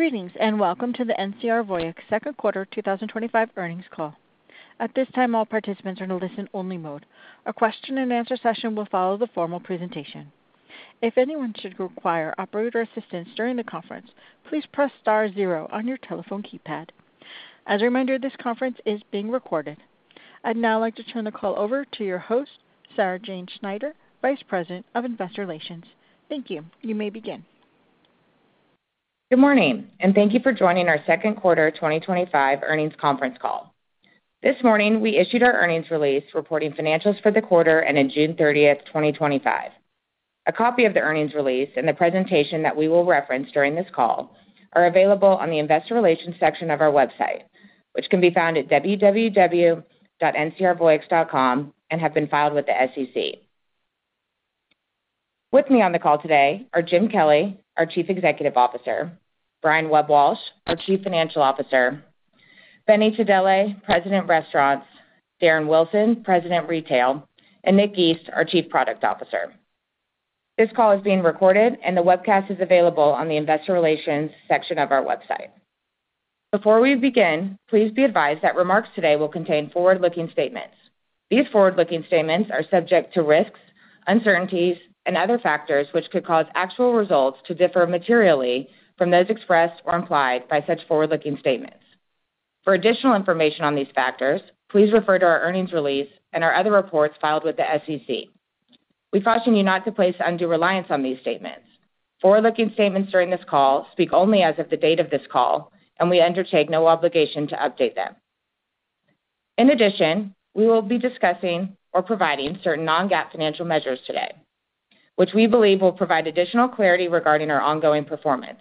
Greetings and welcome to the NCR Voyix Second Quarter 2025 Earnings Call. At this time, all participants are in a listen-only mode. A question and answer session will follow the formal presentation. If anyone should require operator assistance during the conference, please press star zero on your telephone keypad. As a reminder, this conference is being recorded. I'd now like to turn the call over to your host, Sarah Jane Schneider, Vice President of Investor Relations. Thank you. You may begin. Good morning, and thank you for joining our Second Quarter 2025 Earnings Conference Call. This morning, we issued our earnings release reporting financials for the quarter ended June 30th, 2025. A copy of the earnings release and the presentation that we will reference during this call are available on the Investor Relations section of our website, which can be found at www.ncrvoyix.com and have been filed with the SEC. With me on the call today are Jim Kelly, our Chief Executive Officer; Brian Webb-Walsh, our Chief Financial Officer; Benny Tadele, President, Restaurants; Darren Wilson, President, Retail; and Nick East, our Chief Product Officer. This call is being recorded, and the webcast is available on the Investor Relations section of our website. Before we begin, please be advised that remarks today will contain forward-looking statements. These forward-looking statements are subject to risks, uncertainties, and other factors which could cause actual results to differ materially from those expressed or implied by such forward-looking statements. For additional information on these factors, please refer to our earnings release and our other reports filed with the SEC. We caution you not to place undue reliance on these statements. Forward-looking statements during this call speak only as of the date of this call, and we undertake no obligation to update them. In addition, we will be discussing or providing certain non-GAAP financial measures today, which we believe will provide additional clarity regarding our ongoing performance.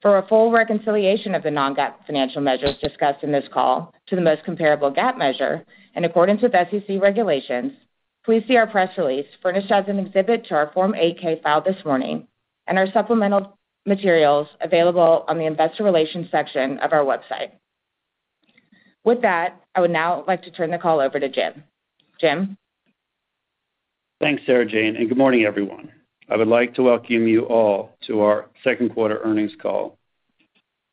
For a full reconciliation of the non-GAAP financial measures discussed in this call to the most comparable GAAP measure, in accordance with SEC regulations, please see our press release furnished as an exhibit to our Form 8-K filed this morning and our supplemental materials available on the Investor Relations section of our website. With that, I would now like to turn the call over to Jim. Jim? Thanks, Sarah Jane, and good morning, everyone. I would like to welcome you all to our second quarter earnings call.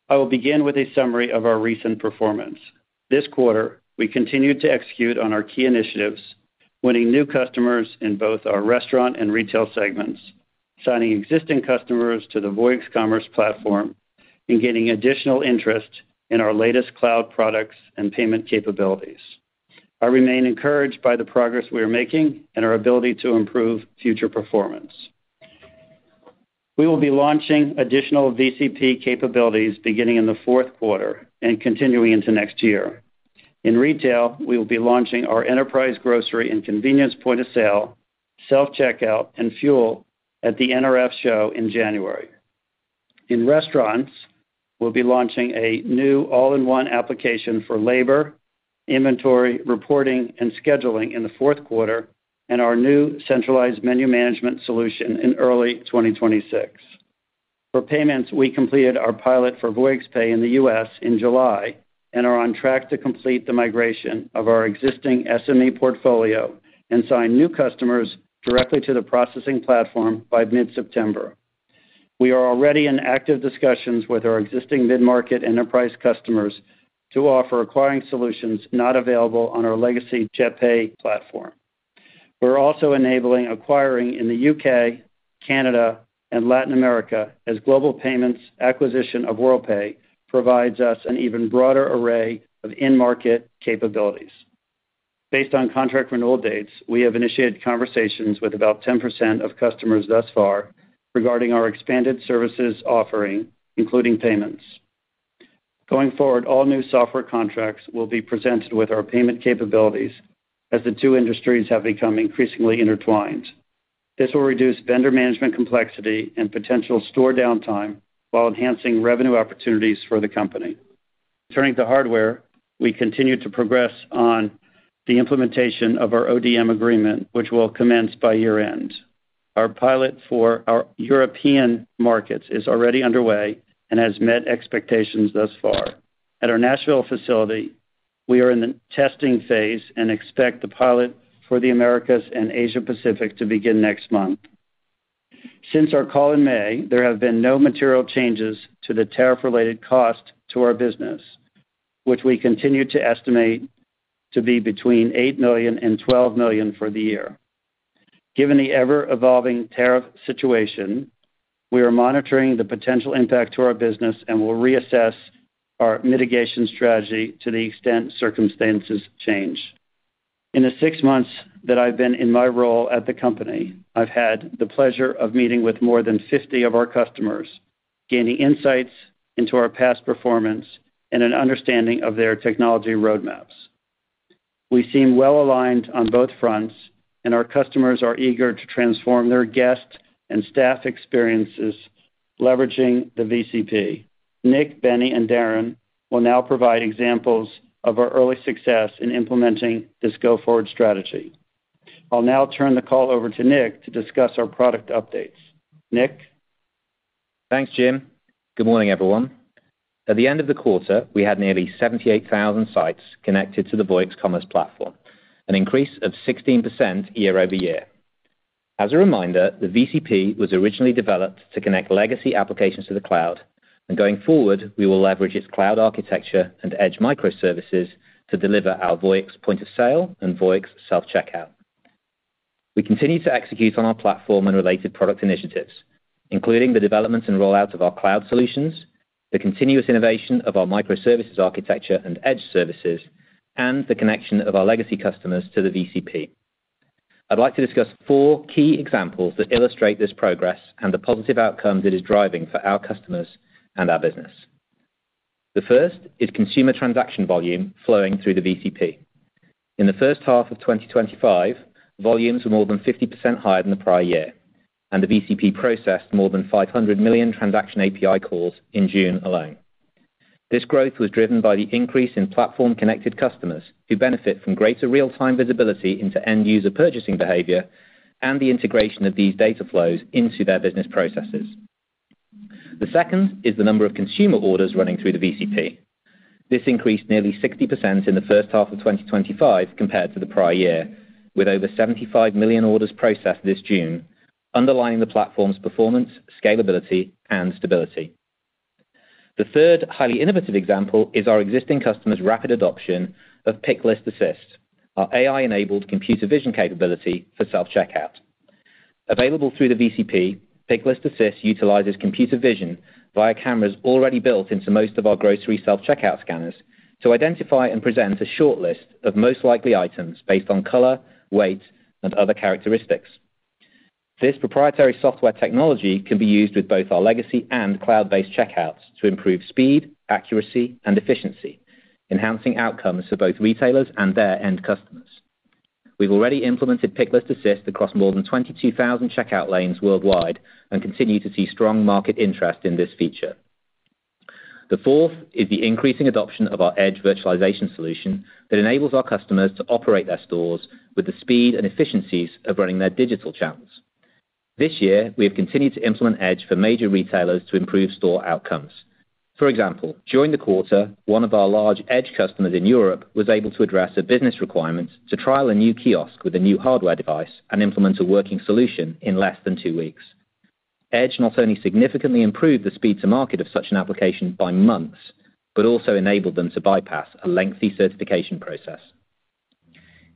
I will begin with a summary of our recent performance. This quarter, we continued to execute on our key initiatives, winning new customers in both our restaurant and retail segments, signing existing customers to the Voyix Commerce Platform, and gaining additional interest in our latest cloud products and payment capabilities. I remain encouraged by the progress we are making and our ability to improve future performance. We will be launching additional VCP capabilities beginning in the fourth quarter and continuing into next year. In retail, we will be launching our enterprise grocery and convenience POS, self-checkout, and fuel at the NRF show in January. In restaurants, we'll be launching a new all-in-one application for labor, inventory reporting, and scheduling in the fourth quarter, and our new centralized menu management solution in early 2026. For payments, we completed our pilot for Voyix Pay in the U.S. in July and are on track to complete the migration of our existing SME portfolio and sign new customers directly to the processing platform by mid-September. We are already in active discussions with our existing mid-market enterprise customers to offer acquiring solutions not available on our legacy JetPay platform. We're also enabling acquiring in the U.K., Canada, and Latin America as global payments acquisition of WorldPay provides us an even broader array of in-market capabilities. Based on contract renewal dates, we have initiated conversations with about 10% of customers thus far regarding our expanded services offering, including payments. Going forward, all new software contracts will be presented with our payment capabilities as the two industries have become increasingly intertwined. This will reduce vendor management complexity and potential store downtime while enhancing revenue opportunities for the company. Turning to hardware, we continue to progress on the implementation of our ODM hardware agreement, which will commence by year-end. Our pilot for our European markets is already underway and has met expectations thus far. At our Nashville facility, we are in the testing phase and expect the pilot for the Americas and Asia-Pacific to begin next month. Since our call in May, there have been no material changes to the tariff-related cost to our business, which we continue to estimate to be between $8 million and $12 million for the year. Given the ever-evolving tariff situation, we are monitoring the potential impact to our business and will reassess our mitigation strategy to the extent circumstances change. In the six months that I've been in my role at the company, I've had the pleasure of meeting with more than 50 of our customers, gaining insights into our past performance and an understanding of their technology roadmaps. We seem well-aligned on both fronts, and our customers are eager to transform their guest and staff experiences leveraging the VCP. Nick, Benny, and Darren will now provide examples of our early success in implementing this go-forward strategy. I'll now turn the call over to Nick to discuss our product updates. Nick? Thanks, Jim. Good morning, everyone. At the end of the quarter, we had nearly 78,000 sites connected to the Voyix Commerce Platform, an increase of 16% year-over-year. As a reminder, the VCP was originally developed to connect legacy applications to the cloud, and going forward, we will leverage its cloud architecture and edge microservices to deliver our Voyix point of sale and Voyix self-checkout. We continue to execute on our platform and related product initiatives, including the development and rollout of our cloud solutions, the continuous innovation of our microservices architecture and edge services, and the connection of our legacy customers to the VCP. I'd like to discuss four key examples that illustrate this progress and the positive outcome that is driving for our customers and our business. The first is consumer transaction volume flowing through the VCP. In the first half of 2025, volumes were more than 50% higher than the prior year, and the VCP processed more than 500 million transaction API calls in June alone. This growth was driven by the increase in platform-connected customers who benefit from greater real-time visibility into end-user purchasing behavior and the integration of these data flows into their business processes. The second is the number of consumer orders running through the VCP. This increased nearly 60% in the first half of 2025 compared to the prior year, with over 75 million orders processed this June, underlining the platform's performance, scalability, and stability. The third highly innovative example is our existing customers' rapid adoption of Pick List Assist, our AI-enabled computer vision capability for self-checkout. Available through the VCP, Pick List Assist utilizes computer vision via cameras already built into most of our grocery self-checkout scanners to identify and present a shortlist of most likely items based on color, weight, and other characteristics. This proprietary software technology can be used with both our legacy and cloud-based checkouts to improve speed, accuracy, and efficiency, enhancing outcomes for both retailers and their end customers. We've already implemented Pick List Assist across more than 22,000 checkout lanes worldwide and continue to see strong market interest in this feature. The fourth is the increasing adoption of our edge virtualization solution that enables our customers to operate their stores with the speed and efficiencies of running their digital channels. This year, we have continued to implement edge for major retailers to improve store outcomes. For example, during the quarter, one of our large edge customers in Europe was able to address a business requirement to trial a new kiosk with a new hardware device and implement a working solution in less than two weeks. Edge not only significantly improved the speed to market of such an application by months, but also enabled them to bypass a lengthy certification process.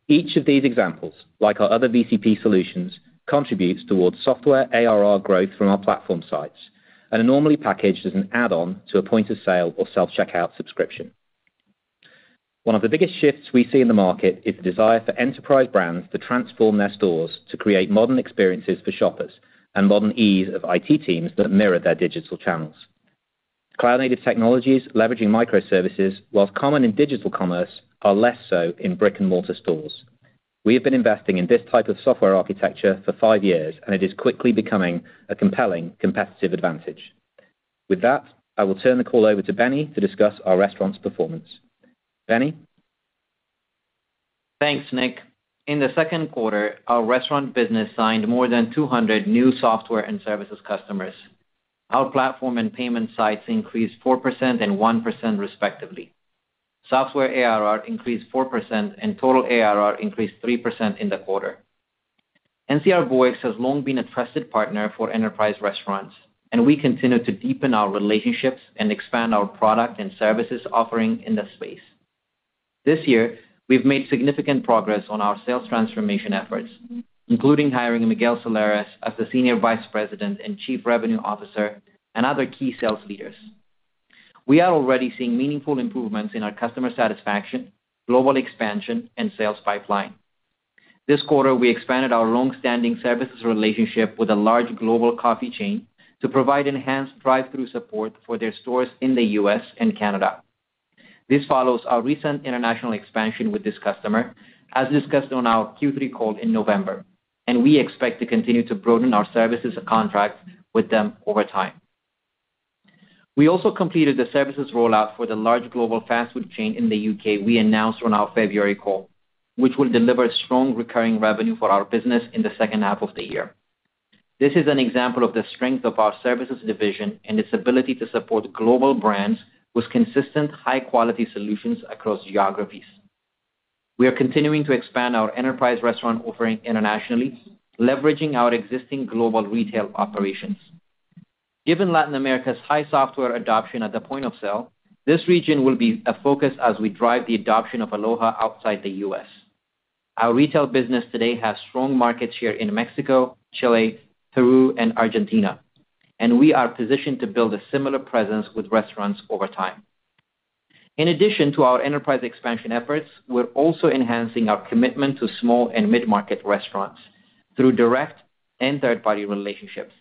Each of these examples, like our other VCP solutions, contributes towards software ARR growth from our platform sites and are normally packaged as an add-on to a point of sale or self-checkout subscription. One of the biggest shifts we see in the market is the desire for enterprise brands to transform their stores to create modern experiences for shoppers and modern ease of IT teams that mirror their digital channels. Cloud-native technologies leveraging microservices, while common in digital commerce, are less so in brick-and-mortar stores. We have been investing in this type of software architecture for five years, and it is quickly becoming a compelling competitive advantage. With that, I will turn the call over to Benny to discuss our restaurant's performance. Benny. Thanks, Nick. In the second quarter, our restaurant business signed more than 200 new software and services customers. Our platform and payment sites increased 4% and 1% respectively. Software ARR increased 4% and total ARR increased 3% in the quarter. NCR Voyix has long been a trusted partner for enterprise restaurants, and we continue to deepen our relationships and expand our product and services offering in this space. This year, we've made significant progress on our sales transformation efforts, including hiring Miguel Solares as the Senior Vice President and Chief Revenue Officer and other key sales leaders. We are already seeing meaningful improvements in our customer satisfaction, global expansion, and sales pipeline. This quarter, we expanded our longstanding services relationship with a large global coffee chain to provide enhanced drive-through support for their stores in the U.S. and Canada. This follows our recent international expansion with this customer, as discussed on our Q3 call in November, and we expect to continue to broaden our services contracts with them over time. We also completed the services rollout for the large global fast food chain in the U.K. we announced on our February call, which will deliver strong recurring revenue for our business in the second half of the year. This is an example of the strength of our services division and its ability to support global brands with consistent, high-quality solutions across geographies. We are continuing to expand our enterprise restaurant offering internationally, leveraging our existing global retail operations. Given Latin America's high software adoption at the point of sale, this region will be a focus as we drive the adoption of Aloha outside the U.S. Our retail business today has strong markets here in Mexico, Chile, Peru, and Argentina, and we are positioned to build a similar presence with restaurants over time. In addition to our enterprise expansion efforts, we're also enhancing our commitment to small and mid-market restaurants through direct and third-party relationships.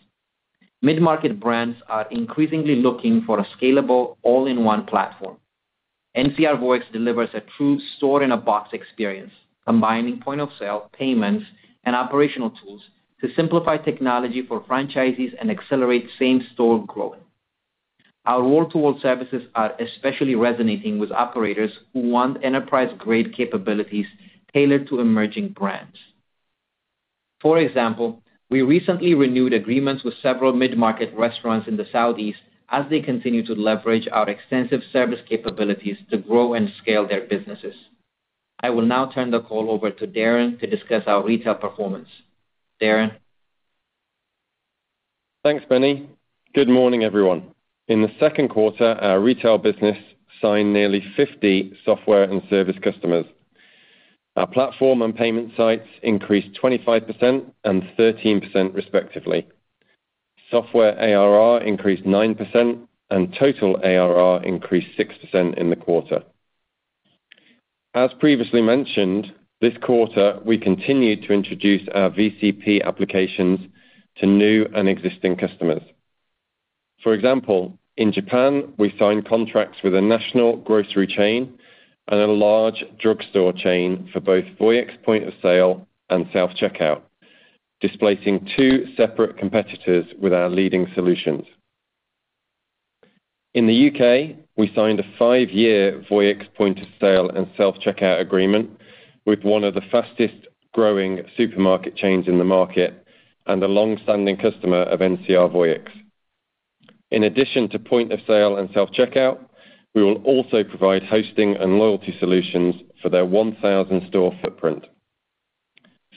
Mid-market brands are increasingly looking for a scalable all-in-one platform. NCR Voyix delivers a true store-in-a-box experience, combining point of sale, payments, and operational tools to simplify technology for franchisees and accelerate same-store growth. Our world-to-world services are especially resonating with operators who want enterprise-grade capabilities tailored to emerging brands. For example, we recently renewed agreements with several mid-market restaurants in the Southeast as they continue to leverage our extensive service capabilities to grow and scale their businesses. I will now turn the call over to Darren to discuss our retail performance. Darren. Thanks, Benny. Good morning, everyone. In the second quarter, our retail business signed nearly 50 software and service customers. Our platform and payment sites increased 25% and 13% respectively. Software ARR increased 9% and total ARR increased 6% in the quarter. As previously mentioned, this quarter we continued to introduce our VCP applications to new and existing customers. For example, in Japan, we signed contracts with a national grocery chain and a large drugstore chain for both Voyix point of sale and self-checkout, displacing two separate competitors with our leading solutions. In the U.K., we signed a five-year Voyix point of sale and self-checkout agreement with one of the fastest growing supermarket chains in the market and a longstanding customer of NCR Voyix. In addition to point of sale and self-checkout, we will also provide hosting and loyalty solutions for their 1,000-store footprint.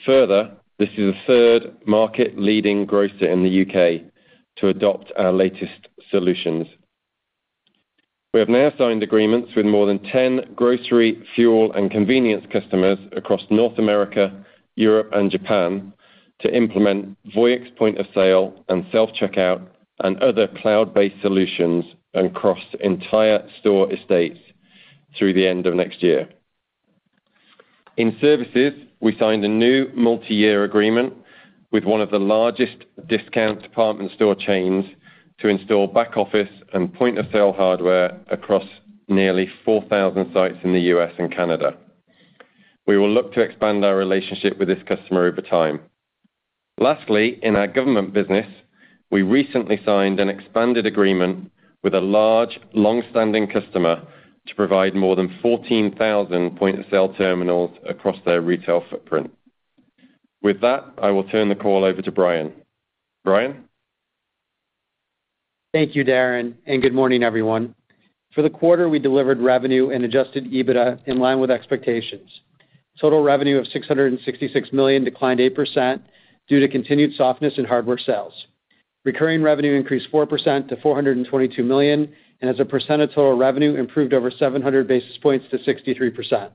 Further, this is the third market-leading grocer in the U.K. to adopt our latest solutions. We have now signed agreements with more than 10 grocery, fuel, and convenience customers across North America, Europe, and Japan to implement Voyix point of sale and self-checkout and other cloud-based solutions across entire store estates through the end of next year. In services, we signed a new multi-year agreement with one of the largest discount department store chains to install back-office and point of sale hardware across nearly 4,000 sites in the U.S. and Canada. We will look to expand our relationship with this customer over time. Lastly, in our government business, we recently signed an expanded agreement with a large, longstanding customer to provide more than 14,000 point of sale terminals across their retail footprint. With that, I will turn the call over to Brian. Brian? Thank you, Darren, and good morning, everyone. For the quarter, we delivered revenue and adjusted EBITDA in line with expectations. Total revenue of $666 million declined 8% due to continued softness in hardware sales. Recurring revenue increased 4% to $422 million, and as a percent of total revenue, improved over 700 basis points to 63%.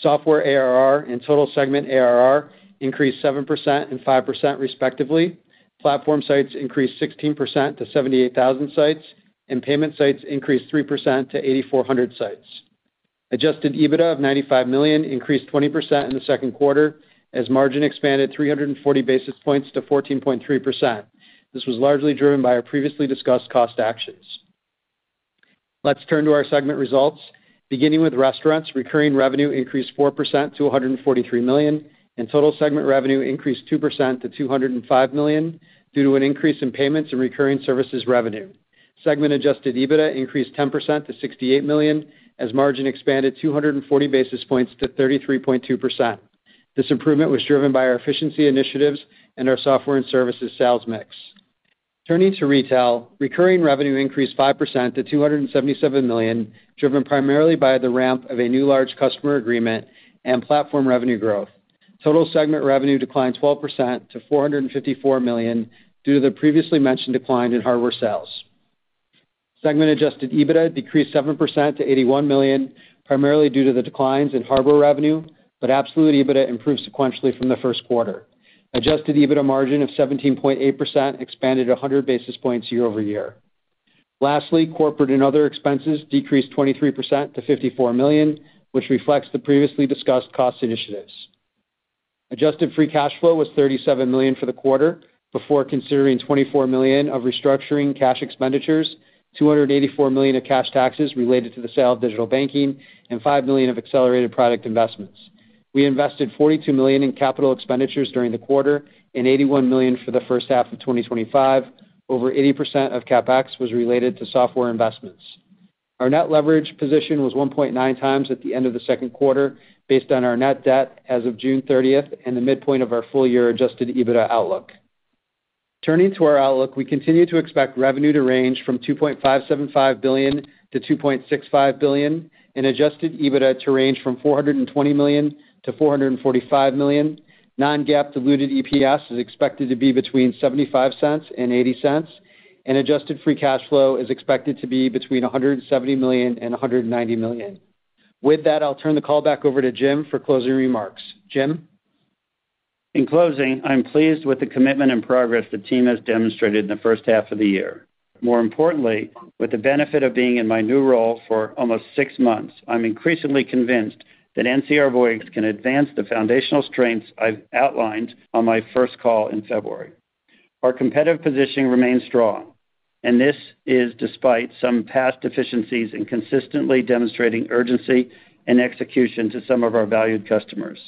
Software ARR and total segment ARR increased 7% and 5%, respectively. Platform sites increased 16% to 78,000 sites, and payment sites increased 3% to 8,400 sites. Adjusted EBITDA of $95 million increased 20% in the second quarter, as margin expanded 340 basis points to 14.3%. This was largely driven by our previously discussed cost actions. Let's turn to our segment results. Beginning with restaurants, recurring revenue increased 4% to $143 million, and total segment revenue increased 2% to $205 million due to an increase in payments and recurring services revenue. Segment-adjusted EBITDA increased 10% to $68 million, as margin expanded 240 basis points to 33.2%. This improvement was driven by our efficiency initiatives and our software and services sales mix. Turning to retail, recurring revenue increased 5% to $277 million, driven primarily by the ramp of a new large customer agreement and platform revenue growth. Total segment revenue declined 12% to $454 million due to the previously mentioned decline in hardware sales. Segment-adjusted EBITDA decreased 7% to $81 million, primarily due to the declines in hardware revenue, but absolute EBITDA improved sequentially from the first quarter. Adjusted EBITDA margin of 17.8% expanded 100 basis points year-over-year. Lastly, corporate and other expenses decreased 23% to $54 million, which reflects the previously discussed cost initiatives. Adjusted free cash flow was $37 million for the quarter, before considering $24 million of restructuring cash expenditures, $284 million of cash taxes related to the sale of Digital-First Banking, and $5 million of accelerated product investments. We invested $42 million in capital expenditures during the quarter and $81 million for the first half of 2025. Over 80% of CapEx was related to software investments. Our net leverage position was 1.9x at the end of the second quarter, based on our net debt as of June 30th and the midpoint of our full year adjusted EBITDA outlook. Turning to our outlook, we continue to expect revenue to range from $2.575 billion-$2.65 billion, and adjusted EBITDA to range from $420 million-$445 million. Non-GAAP diluted EPS is expected to be between $0.75 and $0.80, and adjusted free cash flow is expected to be between $170 million and $190 million. With that, I'll turn the call back over to Jim for closing remarks. Jim? In closing, I'm pleased with the commitment and progress the team has demonstrated in the first half of the year. More importantly, with the benefit of being in my new role for almost six months, I'm increasingly convinced that NCR Voyix can advance the foundational strengths I've outlined on my first call in February. Our competitive positioning remains strong, and this is despite some past deficiencies in consistently demonstrating urgency and execution to some of our valued customers.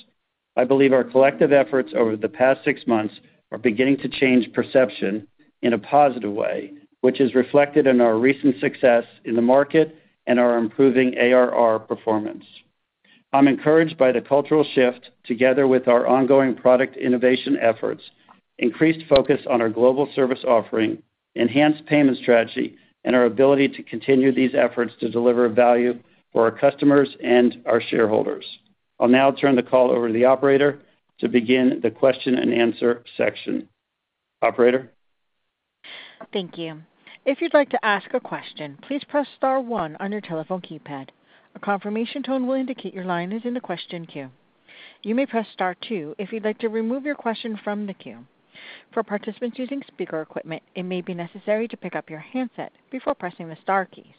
I believe our collective efforts over the past six months are beginning to change perception in a positive way, which is reflected in our recent success in the market and our improving ARR performance. I'm encouraged by the cultural shift, together with our ongoing product innovation efforts, increased focus on our global service offering, enhanced payment strategy, and our ability to continue these efforts to deliver value for our customers and our shareholders. I'll now turn the call over to the operator to begin the question and answer section. Operator? Thank you. If you'd like to ask a question, please press star one on your telephone keypad. A confirmation tone will indicate your line is in the question queue. You may press star two if you'd like to remove your question from the queue. For participants using speaker equipment, it may be necessary to pick up your handset before pressing the star keys.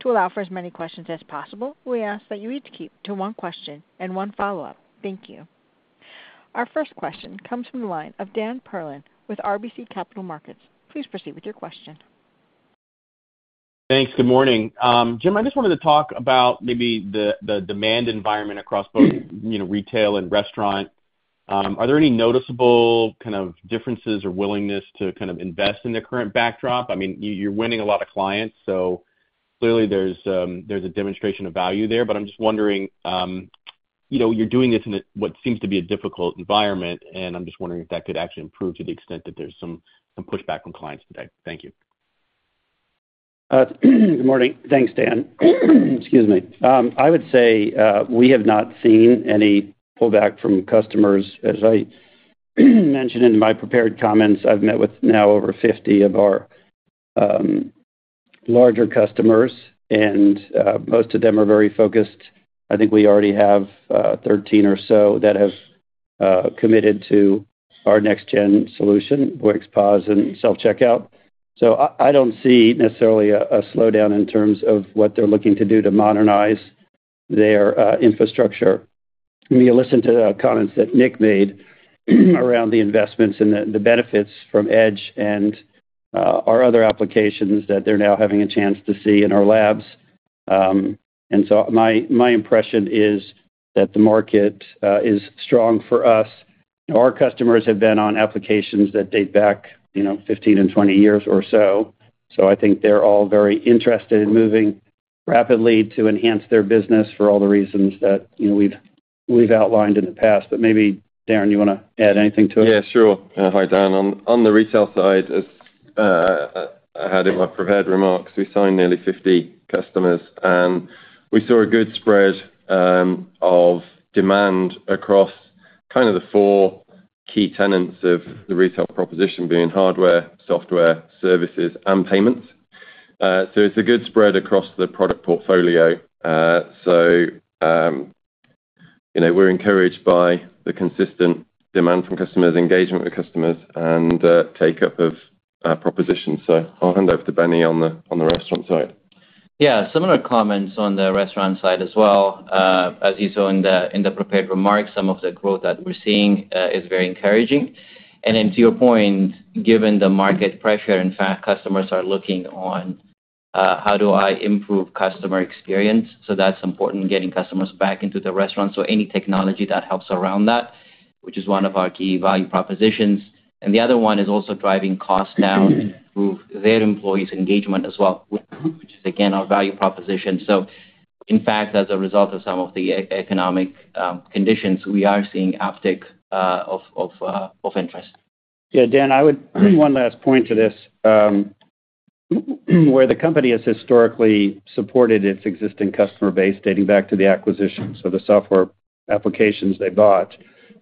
To allow for as many questions as possible, we ask that you each keep to one question and one follow-up. Thank you. Our first question comes from the line of Dan Perlin with RBC Capital Markets. Please proceed with your question. Thanks. Good morning. Jim, I just wanted to talk about maybe the demand environment across both retail and restaurant. Are there any noticeable kind of differences or willingness to kind of invest in the current backdrop? I mean, you're winning a lot of clients, so clearly there's a demonstration of value there. I'm just wondering, you know, you're doing this in what seems to be a difficult environment, and I'm just wondering if that could actually improve to the extent that there's some pushback from clients today. Thank you. Good morning. Thanks, Dan. Excuse me. I would say we have not seen any pullback from customers. As I mentioned in my prepared comments, I've met with now over 50 of our larger customers, and most of them are very focused. I think we already have 13 or so that have committed to our next-gen solution, Voyix POS and self-checkout. I don't see necessarily a slowdown in terms of what they're looking to do to modernize their infrastructure. You listen to the comments that Nick made around the investments and the benefits from edge and our other applications that they're now having a chance to see in our labs. My impression is that the market is strong for us. Our customers have been on applications that date back 15 and 20 years or so. I think they're all very interested in moving rapidly to enhance their business for all the reasons that we've outlined in the past. Maybe, Darren, you want to add anything to it? Yeah, sure. Hi, Dan. On the retail side, as I had in my prepared remarks, we signed nearly 50 customers, and we saw a good spread of demand across the four key tenets of the retail proposition being hardware, software, services, and payments. It's a good spread across the product portfolio. We're encouraged by the consistent demand from customers, engagement with customers, and take-up of propositions. I'll hand over to Benny on the restaurant side. Yeah, similar comments on the restaurant side as well. As you saw in the prepared remarks, some of the growth that we're seeing is very encouraging. To your point, given the market pressure, in fact, customers are looking on how do I improve customer experience. That's important, getting customers back into the restaurant. Any technology that helps around that, which is one of our key value propositions. The other one is also driving costs down through their employees' engagement as well, which is, again, our value proposition. In fact, as a result of some of the economic conditions, we are seeing an uptick of interest. Yeah, Dan, I would bring one last point to this. Where the company has historically supported its existing customer base dating back to the acquisition, so the software applications they bought,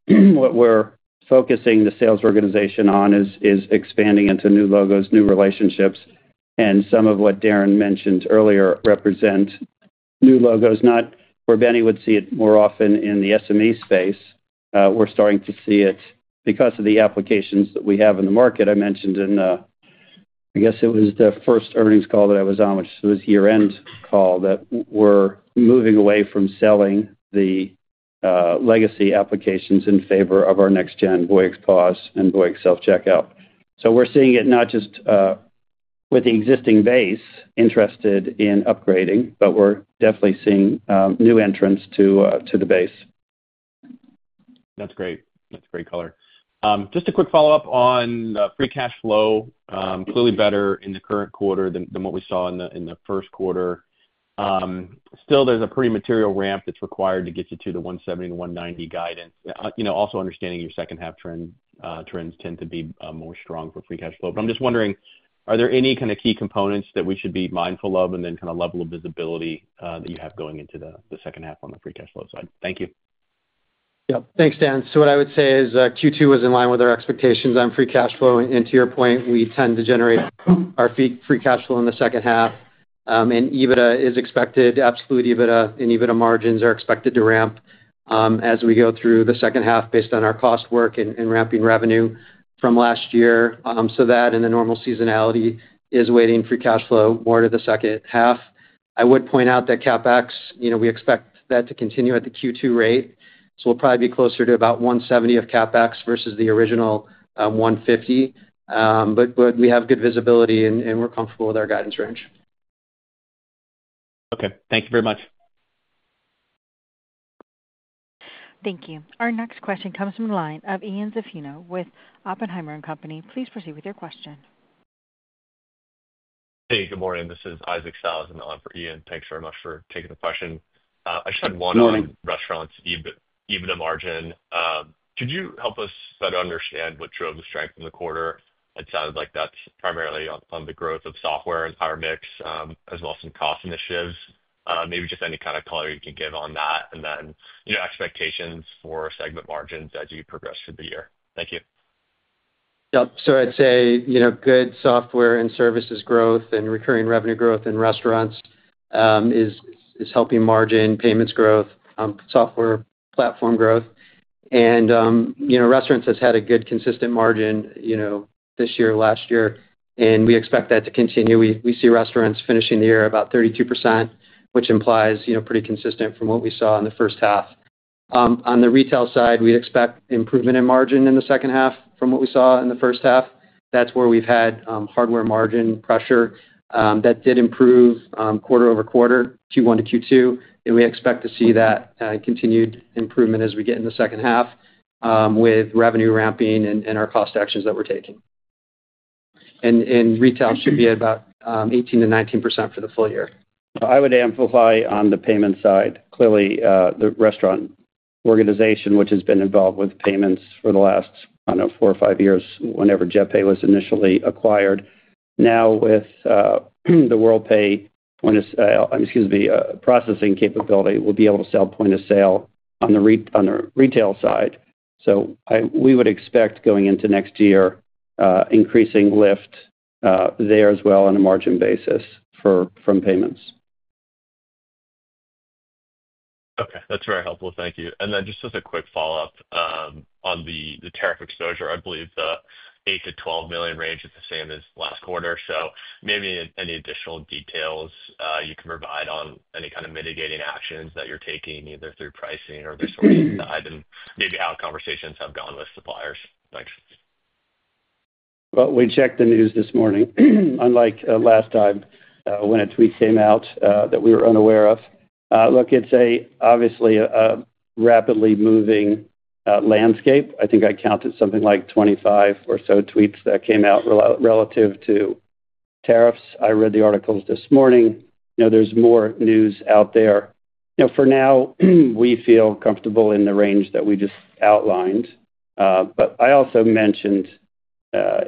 what we're focusing the sales organization on is expanding into new logos, new relationships, and some of what Darren mentioned earlier represent new logos. Not where Benny would see it more often in the SME space, we're starting to see it because of the applications that we have in the market. I mentioned in the, I guess it was the first earnings call that I was on, which was the year-end call, that we're moving away from selling the legacy applications in favor of our next-gen Voyix POS and Voyix self-checkout. We're seeing it not just with the existing base interested in upgrading, but we're definitely seeing new entrants to the base. That's great. That's a great color. Just a quick follow-up on free cash flow, clearly better in the current quarter than what we saw in the first quarter. Still, there's a pretty material ramp that's required to get you to the $170-$190 guidance. You know, also understanding your second half trends tend to be more strong for free cash flow. I'm just wondering, are there any kind of key components that we should be mindful of and then kind of level of visibility that you have going into the second half on the free cash flow side? Thank you. Yep. Thanks, Dan. What I would say is Q2 was in line with our expectations on free cash flow. To your point, we tend to generate our free cash flow in the second half, and EBITDA is expected, absolute EBITDA and EBITDA margins are expected to ramp as we go through the second half based on our cost work and ramping revenue from last year. That and the normal seasonality is weighting free cash flow more to the second half. I would point out that CapEx, you know, we expect that to continue at the Q2 rate. We'll probably be closer to about $170 million of CapEx versus the original $150 million. We have good visibility and we're comfortable with our guidance range. Okay, thank you very much. Thank you. Our next question comes from the line of Ian Zaffino with Oppenheimer & Company. Please proceed with your question. Hey, good morning. This is Isaac Salazan for Ian. Thanks very much for taking the question. I just had one on restaurants' EBITDA margin. Could you help us better understand what drove the strength in the quarter? It sounded like that's primarily on the growth of software and power mix, as well as some cost initiatives. Maybe just any kind of color you can give on that and then, you know, expectations for segment margins as you progress through the year. Thank you. Yep. I'd say, you know, good software and services growth and recurring revenue growth in restaurants is helping margin, payments growth, software platform growth. Restaurants have had a good consistent margin, you know, this year, last year, and we expect that to continue. We see restaurants finishing the year about 32%, which implies, you know, pretty consistent from what we saw in the first half. On the retail side, we'd expect improvement in margin in the second half from what we saw in the first half. That's where we've had hardware margin pressure that did improve quarter over quarter, Q1 to Q2. We expect to see that continued improvement as we get in the second half with revenue ramping and our cost actions that we're taking. In retail, it should be about 18%-19% for the full year. I would amplify on the payment side. Clearly, the restaurant organization, which has been involved with payments for the last, I don't know, four or five years, whenever JetPay was initially acquired. Now, with the WorldPay point of sale, excuse me, processing capability, we'll be able to sell point of sale on the retail side. We would expect going into next year, increasing lift there as well on a margin basis from payments. Okay. That's very helpful. Thank you. Just as a quick follow-up on the tariff exposure, I believe the $8 million-$12 million range is the same as last quarter. Maybe any additional details you can provide on any kind of mitigating actions that you're taking either through pricing or the sourcing side and maybe how conversations have gone with suppliers. Thanks. We checked the news this morning, unlike last time when a tweet came out that we were unaware of. It's obviously a rapidly moving landscape. I think I counted something like 25 or so tweets that came out relative to tariffs. I read the articles this morning. There's more news out there. For now, we feel comfortable in the range that we just outlined. I also mentioned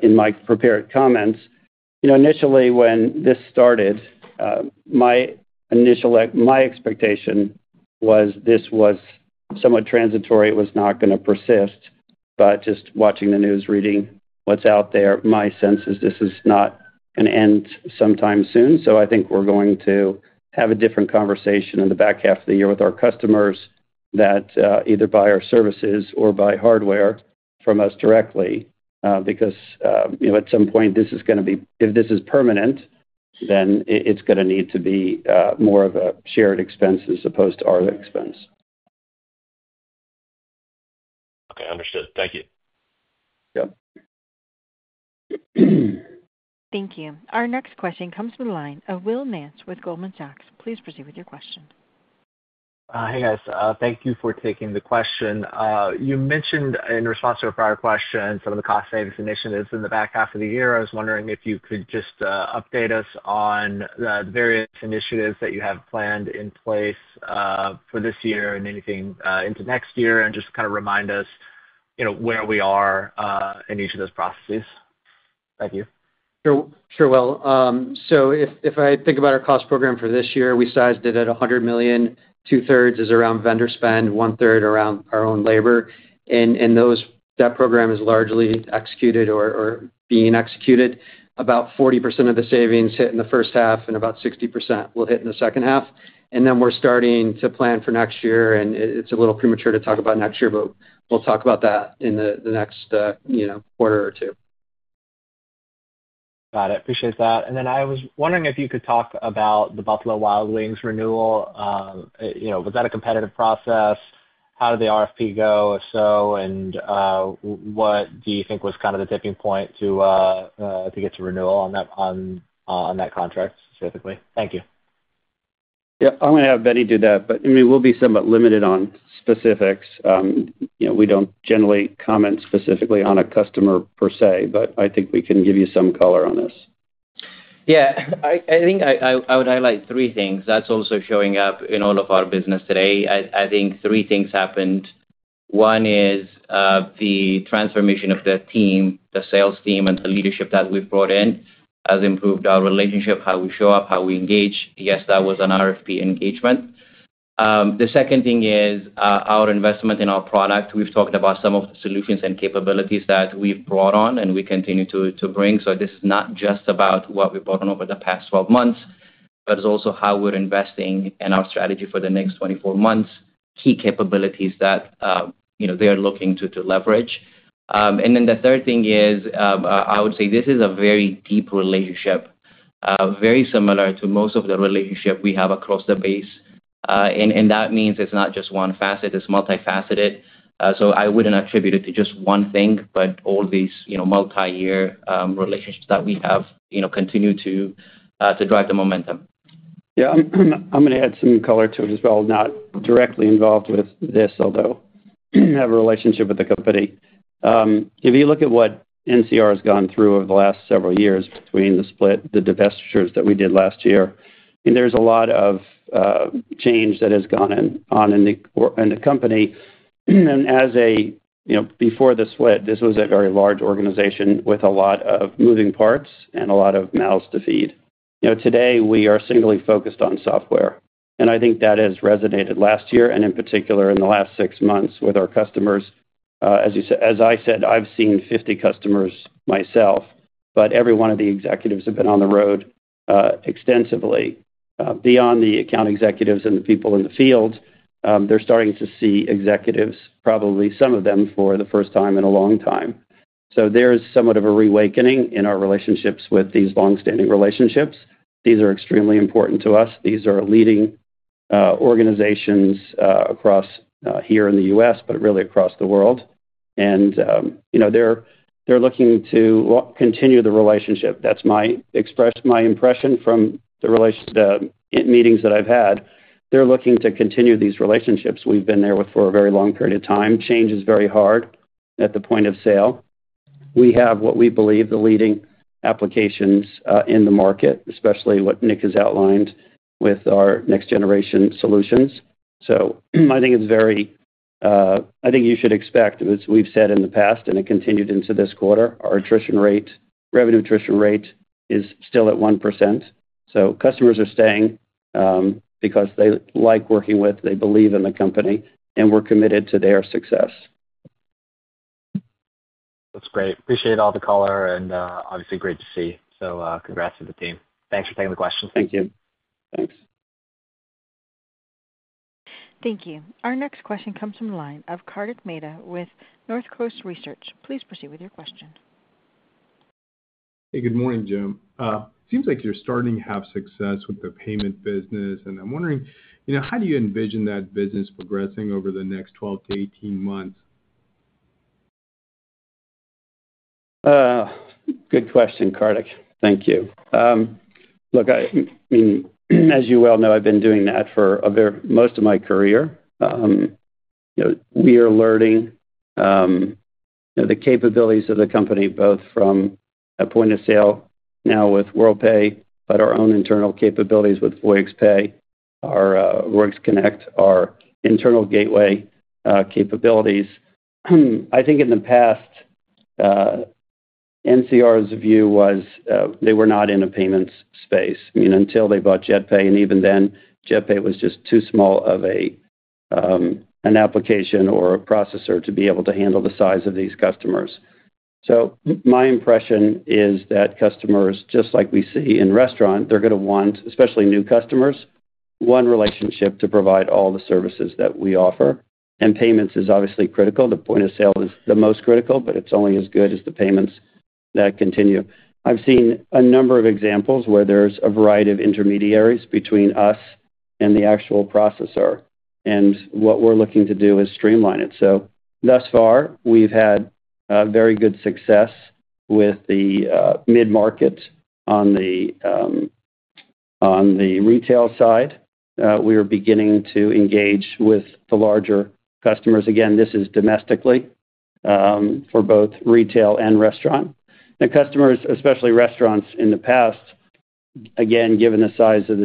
in my prepared comments, initially when this started, my expectation was this was somewhat transitory. It was not going to persist. Just watching the news, reading what's out there, my sense is this is not an end sometime soon. I think we're going to have a different conversation in the back half of the year with our customers that either buy our services or buy hardware from us directly because, at some point, if this is permanent, then it's going to need to be more of a shared expense as opposed to our expense. Okay. Understood. Thank you. Thank you. Our next question comes from the line of Will Manch with Goldman Sachs. Please proceed with your question. Hey, guys. Thank you for taking the question. You mentioned in response to a prior question some of the cost-savings initiatives in the back half of the year. I was wondering if you could just update us on the various initiatives that you have planned in place for this year and anything into next year and just kind of remind us, you know, where we are in each of those processes. Thank you. Sure. If I think about our cost program for this year, we sized it at $100 million. 2/3 is around vendor spend, 1/3 around our own labor. That program is largely executed or being executed. About 40% of the savings hit in the first half and about 60% will hit in the second half. We're starting to plan for next year, and it's a little premature to talk about next year, but we'll talk about that in the next quarter or two. Got it. Appreciate that. I was wondering if you could talk about the Buffalo Wild Wings renewal. Was that a competitive process? How did the RFP go, if so, and what do you think was kind of the tipping point to get to renewal on that contract specifically? Thank you. Yeah, I'm going to have Benny do that, but I mean, we'll be somewhat limited on specifics. You know, we don't generally comment specifically on a customer per se, but I think we can give you some color on this. I think I would highlight three things. That's also showing up in all of our business today. I think three things happened. One is the transformation of the team, the sales team, and the leadership that we've brought in has improved our relationship, how we show up, how we engage. Yes, that was an RFP engagement. The second thing is our investment in our product. We've talked about some of the solutions and capabilities that we've brought on and we continue to bring. This is not just about what we've brought on over the past 12 months, but it's also how we're investing in our strategy for the next 24 months, key capabilities that they are looking to leverage. The third thing is I would say this is a very deep relationship, very similar to most of the relationships we have across the base. That means it's not just one facet. It's multifaceted. I wouldn't attribute it to just one thing, but all these multi-year relationships that we have continue to drive the momentum. Yeah. I'm going to add some color to it as well. Not directly involved with this, although I have a relationship with the company. If you look at what NCR has gone through over the last several years between the split, the divestitures that we did last year, there's a lot of change that has gone on in the company. Before the split, this was a very large organization with a lot of moving parts and a lot of mouths to feed. Today we are singly focused on software. I think that has resonated last year, and in particular in the last six months with our customers. As you said, as I said, I've seen 50 customers myself, but every one of the executives have been on the road extensively. Beyond the account executives and the people in the field, they're starting to see executives, probably some of them for the first time in a long time. There's somewhat of a reawakening in our relationships with these longstanding relationships. These are extremely important to us. These are leading organizations across here in the U.S., but really across the world. They're looking to continue the relationship. That's my impression from the relationship meetings that I've had. They're looking to continue these relationships. We've been there for a very long period of time. Change is very hard at the point of sale. We have what we believe are the leading applications in the market, especially what Nick has outlined with our next-generation solutions. I think you should expect, as we've said in the past and it continued into this quarter, our attrition rate, revenue attrition rate is still at 1%. Customers are staying because they like working with, they believe in the company, and we're committed to their success. That's great. Appreciate all the color and obviously great to see. Congrats to the team. Thanks for taking the questions. Thank you. Thanks. Thank you. Our next question comes from the line of Kartik Mehta with North Coast Research. Please proceed with your question. Hey, good morning, Jim. It seems like you're starting to have success with the payments business, and I'm wondering how do you envision that business progressing over the next 12-18 months? Good question, Kartik. Thank you. Look, as you well know, I've been doing that for most of my career. We are learning the capabilities of the company, both from a point of sale now with WorldPay, but our own internal capabilities with Voyix Pay, our Works Connect, our internal gateway capabilities. I think in the past, NCR's view was they were not in a payments space. Until they bought JetPay, and even then, JetPay was just too small of an application or a processor to be able to handle the size of these customers. My impression is that customers, just like we see in restaurants, are going to want, especially new customers, one relationship to provide all the services that we offer. Payments is obviously critical. The point of sale is the most critical, but it's only as good as the payments that continue. I've seen a number of examples where there's a variety of intermediaries between us and the actual processor, and what we're looking to do is streamline it. Thus far, we've had very good success with the mid-market on the retail side. We are beginning to engage with the larger customers. This is domestically for both retail and restaurant. The customers, especially restaurants in the past, given the size of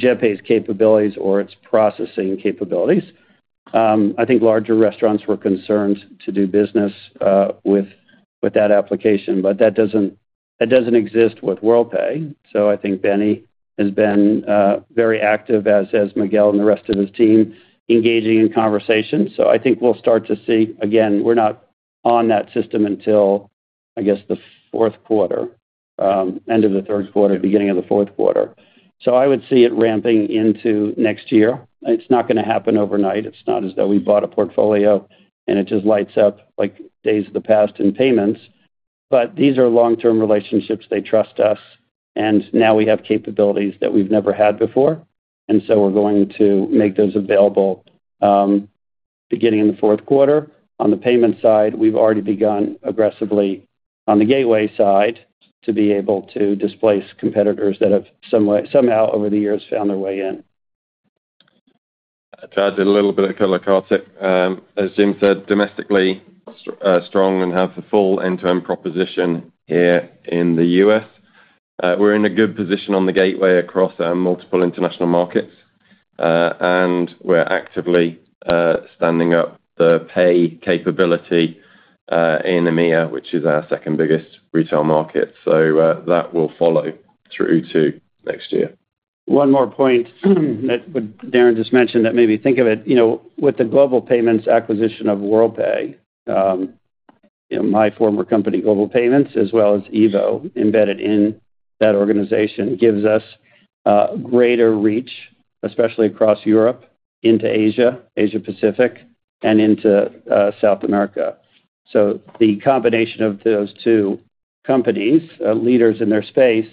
JetPay's capabilities or its processing capabilities, I think larger restaurants were concerned to do business with that application. That doesn't exist with WorldPay. I think Benny has been very active, as has Miguel and the rest of his team, engaging in conversation. I think we'll start to see, we're not on that system until, I guess, the fourth quarter, end of the third quarter, beginning of the fourth quarter. I would see it ramping into next year. It's not going to happen overnight. It's not as though we bought a portfolio and it just lights up like days of the past in payments. These are long-term relationships. They trust us. Now we have capabilities that we've never had before. We are going to make those available beginning in the fourth quarter. On the payment side, we've already begun aggressively on the gateway side to be able to displace competitors that have somehow over the years found their way in. To add a little bit of color, Kartik, as Jim said, domestically, strong and have the full end-to-end proposition here in the U.S. We're in a good position on the gateway across multiple international markets. We're actively standing up the pay capability in EMEA, which is our second biggest retail market. That will follow through to next year. One more point that Darren just mentioned that made me think of it. You know, with the Global Payments acquisition of WorldPay, my former company, Global Payments, as well as EVO embedded in that organization, gives us greater reach, especially across Europe, into Asia, Asia-Pacific, and into South America. The combination of those two companies, leaders in their space,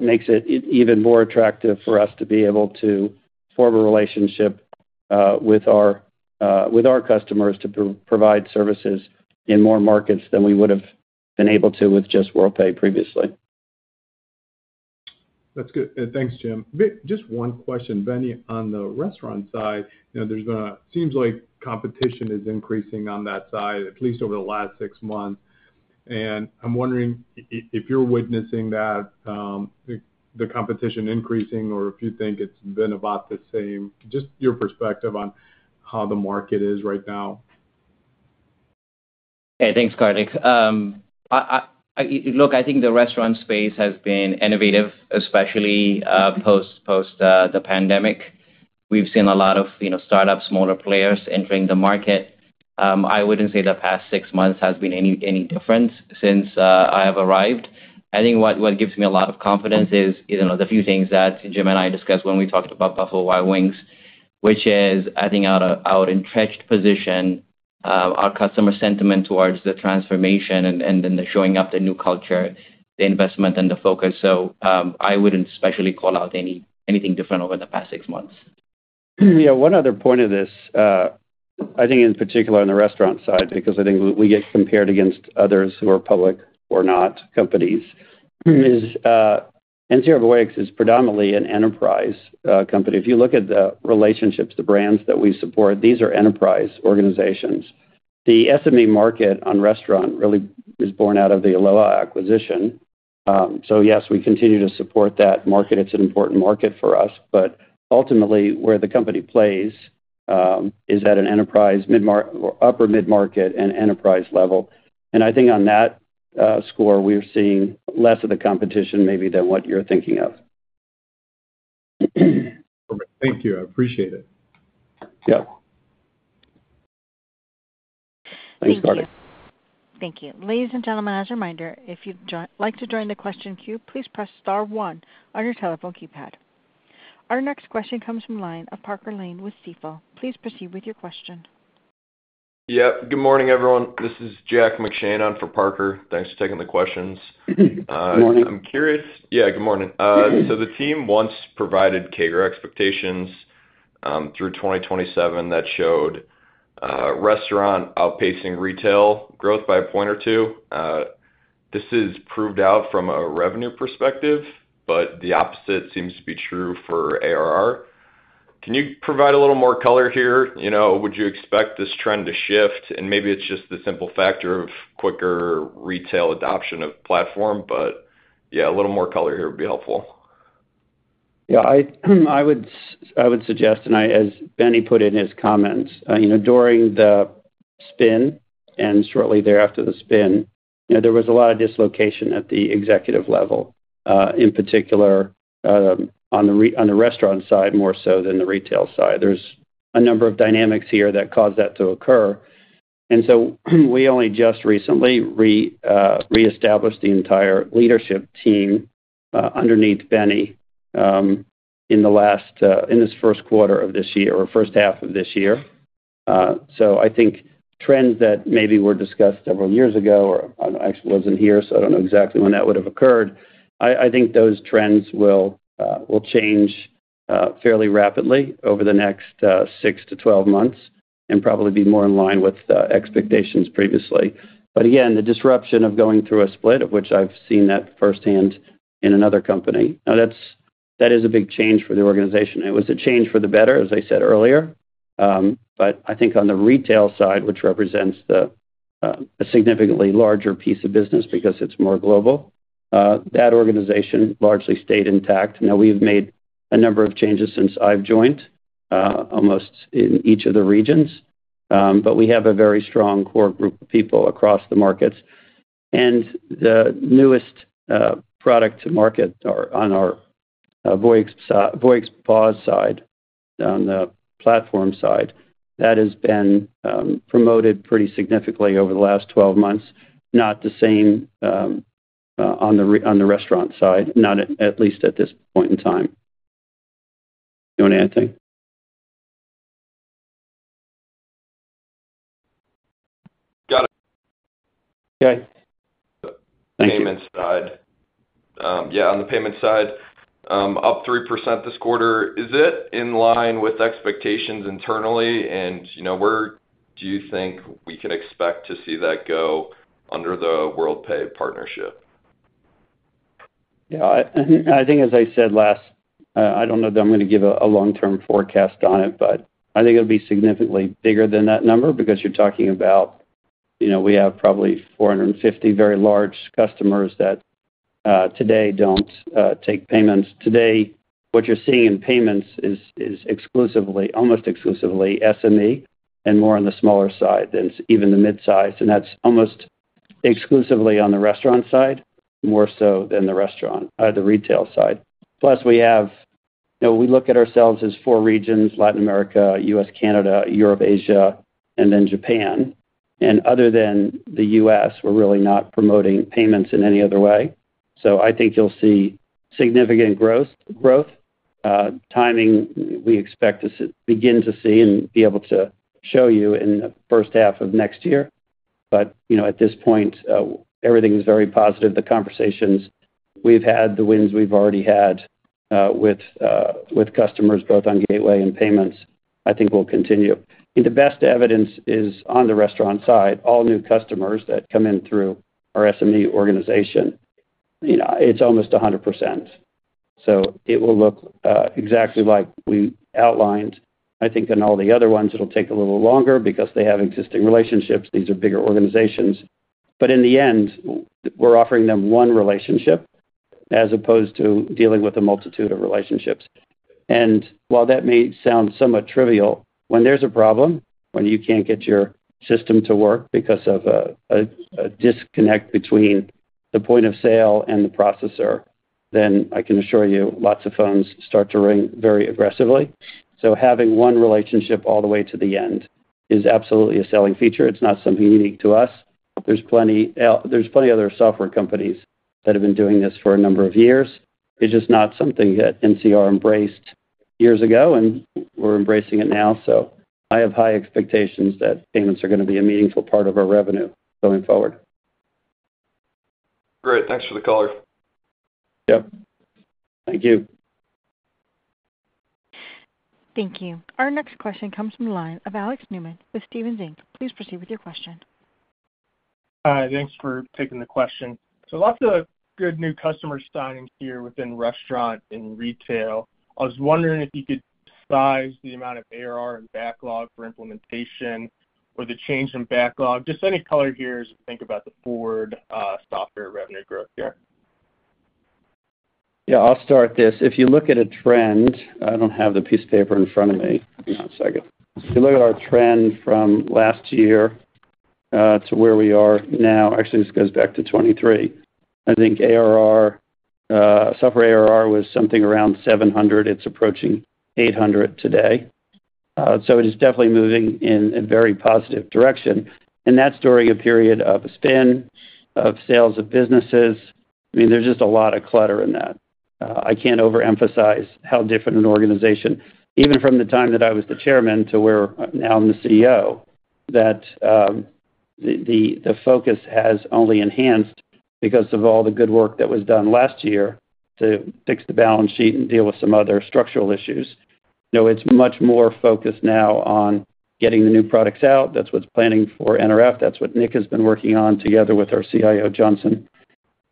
makes it even more attractive for us to be able to form a relationship with our customers to provide services in more markets than we would have been able to with just WorldPay previously. That's good. Thanks, Jim. Just one question, Benny, on the restaurant side. There's been a, it seems like competition is increasing on that side, at least over the last six months. I'm wondering if you're witnessing that, the competition increasing, or if you think it's been about the same, just your perspective on how the market is right now. Hey, thanks, Kartik. I think the restaurant space has been innovative, especially post the pandemic. We've seen a lot of startups, smaller players entering the market. I wouldn't say the past six months has been any different since I have arrived. I think what gives me a lot of confidence is the few things that Jim and I discussed when we talked about Buffalo Wild Wings, which is our entrenched position, our customer sentiment towards the transformation, and then the showing up, the new culture, the investment, and the focus. I wouldn't especially call out anything different over the past six months. Yeah, one other point of this, I think in particular on the restaurant side, because I think we get compared against others who are public or not companies, is NCR Voyix is predominantly an enterprise company. If you look at the relationships, the brands that we support, these are enterprise organizations. The SME market on restaurant really is born out of the Aloha acquisition. Yes, we continue to support that market. It's an important market for us. Ultimately, where the company plays is at an enterprise mid-market or upper mid-market and enterprise level. I think on that score, we're seeing less of the competition maybe than what you're thinking of. Okay, thank you. I appreciate it. Yep. Thanks, Kartik. Thank you. Ladies and gentlemen, as a reminder, if you'd like to join the question queue, please press star one on your telephone keypad. Our next question comes from the line of Parker Lane with Stifel. Please proceed with your question. Good morning, everyone. This is Jack McShane on for Parker. Thanks for taking the questions. Good morning. I'm curious. Good morning. The team once provided CAGR expectations through 2027 that showed restaurant outpacing retail growth by a point or two. This has proved out from a revenue perspective, but the opposite seems to be true for ARR. Can you provide a little more color here? Would you expect this trend to shift? Maybe it's just the simple factor of quicker retail adoption of platform, but a little more color here would be helpful. Yeah, I would suggest, and as Benny put in his comments, during the spin and shortly thereafter the spin, there was a lot of dislocation at the executive level, in particular on the restaurant side more so than the retail side. There are a number of dynamics here that caused that to occur. We only just recently reestablished the entire leadership team underneath Benny in the first quarter of this year or first half of this year. I think trends that maybe were discussed several years ago, or I actually wasn't here, so I don't know exactly when that would have occurred. I think those trends will change fairly rapidly over the next 6-12 months and probably be more in line with the expectations previously. The disruption of going through a split, of which I've seen that firsthand in another company, that is a big change for the organization. It was a change for the better, as I said earlier. I think on the retail side, which represents a significantly larger piece of business because it's more global, that organization largely stayed intact. We've made a number of changes since I've joined, almost in each of the regions, but we have a very strong core group of people across the markets. The newest product to market on our Voyix POS side, on the platform side, that has been promoted pretty significantly over the last 12 months, not the same on the restaurant side, not at least at this point in time. You want to add anything? Got it. Okay. Payments side. On the payments side, up 3% this quarter. Is it in line with expectations internally? Where do you think we could expect to see that go under the WorldPay partnership? Yeah, I think, as I said last, I don't know that I'm going to give a long-term forecast on it, but I think it'll be significantly bigger than that number because you're talking about, you know, we have probably 450 very large customers that today don't take payments. Today, what you're seeing in payments is exclusively, almost exclusively SME and more on the smaller side than even the mid-size. That's almost exclusively on the restaurant side, more so than the retail side. Plus, we have, you know, we look at ourselves as four regions: Latin America, U.S., Canada, Europe, Asia, and then Japan. Other than the U.S., we're really not promoting payments in any other way. I think you'll see significant growth. Timing, we expect to begin to see and be able to show you in the first half of next year. At this point, everything's very positive. The conversations we've had, the wins we've already had with customers, both on gateway and payments, I think will continue. The best evidence is on the restaurant side, all new customers that come in through our SME organization. It's almost 100%. It will look exactly like we outlined. I think in all the other ones, it'll take a little longer because they have existing relationships. These are bigger organizations. In the end, we're offering them one relationship as opposed to dealing with a multitude of relationships. While that may sound somewhat trivial, when there's a problem, when you can't get your system to work because of a disconnect between the point of sale and the processor, then I can assure you lots of phones start to ring very aggressively. Having one relationship all the way to the end is absolutely a selling feature. It's not something unique to us. There are plenty of other software companies that have been doing this for a number of years. It's just not something that NCR embraced years ago, and we're embracing it now. I have high expectations that payments are going to be a meaningful part of our revenue going forward. Great. Thanks for the color. Yep, thank you. Thank you. Our next question comes from the line of Alex Newman with Stephens Inc. Please proceed with your question. Hi. Thanks for taking the question. Lots of good new customer signings here within restaurant and retail. I was wondering if you could size the amount of ARR and backlog for implementation or the change in backlog. Just any color here as you think about the forward software revenue growth here. Yeah, I'll start this. If you look at a trend, I don't have the piece of paper in front of me. One second. If you look at our trend from last year to where we are now, actually, this goes back to 2023. I think ARR, software ARR was something around $700 million. It's approaching $800 million today. It is definitely moving in a very positive direction. That's during a period of a spin of sales of businesses. There's just a lot of clutter in that. I can't overemphasize how different an organization, even from the time that I was the Chairman to where now I'm the CEO, that the focus has only enhanced because of all the good work that was done last year to fix the balance sheet and deal with some other structural issues. It's much more focused now on getting the new products out. That's what's planning for NRF. That's what Nick has been working on together with our CIO, Johnson.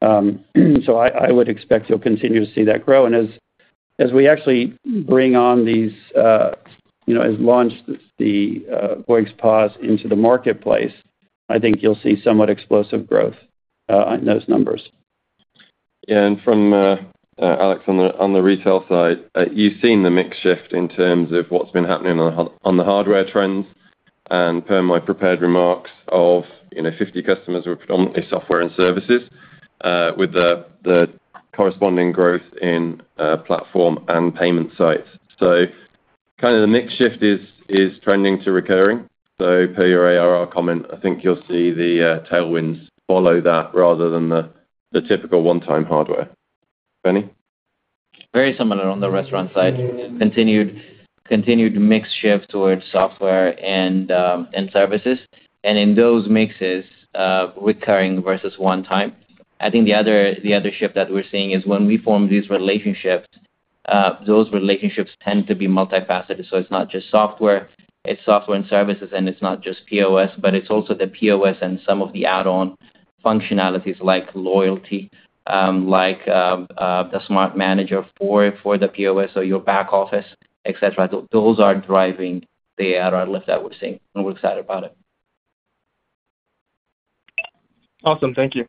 I would expect you'll continue to see that grow. As we actually bring on these, you know, as we launch the Voyix POS into the marketplace, I think you'll see somewhat explosive growth in those numbers. Yeah, from, Alex on the retail side, you've seen the mix shift in terms of what's been happening on the hardware trends. Per my prepared remarks, 50 customers were predominantly software and services with the corresponding growth in platform and payment sites. The mix shift is trending to recurring. Per your ARR comment, I think you'll see the tailwinds follow that rather than the typical one-time hardware. Benny? Very similar on the restaurant side. Continued mix shift towards software and services. In those mixes, recurring versus one-time. I think the other shift that we're seeing is when we form these relationships, those relationships tend to be multifaceted. It's not just software. It's software and services, and it's not just POS, but it's also the POS and some of the add-on functionalities like loyalty, like the Smart Manager for the POS or your back office, etc. Those are driving the ARR lift that we're seeing, and we're excited about it. Awesome. Thank you.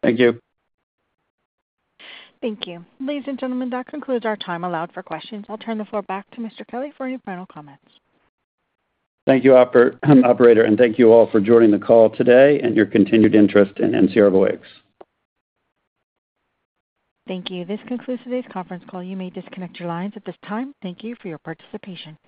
Thank you. Thank you. Ladies and gentlemen, that concludes our time allowed for questions. I'll turn the floor back to Mr. Kelly for any final comments. Thank you, Operator, and thank you all for joining the call today and your continued interest in NCR Voyix. Thank you. This concludes today's conference call. You may disconnect your lines at this time. Thank you for your participation.